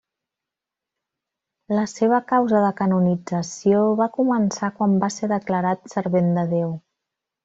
La seva causa de canonització va començar quan va ser declarat Servent de Déu.